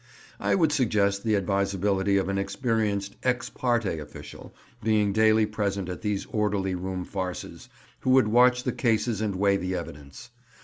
I would suggest the advisability of an experienced ex parte official being daily present at these orderly room farces, who could watch the cases and weigh the evidence.